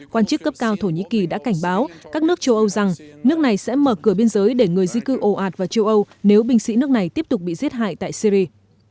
quan chức cấp cao thổ nhĩ kỳ đã cảnh báo các nước châu âu rằng nước này sẽ mở cửa biên giới để người di cư ồ ạt vào châu âu nếu binh sĩ nước này tiếp tục bị giết hại tại syri